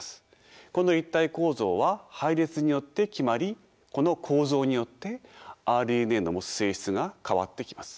この立体構造は配列によって決まりこの構造によってＲＮＡの持つ性質が変わってきます。